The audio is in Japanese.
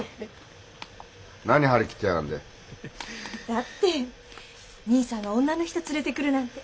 だって兄さんが女の人連れてくるなんて。